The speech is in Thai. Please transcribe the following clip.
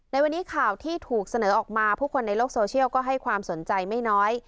ในวันนี้ข่าวที่ถูกเสนอออกมาผู้คนในโลกโซเชียลก็ให้ความสนใจไม่น้อย